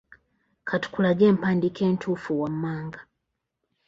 Ka tukulage empandiika entuufu wammanga.